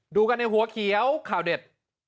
ดูกันในหัวเขียวข่าวเด็ด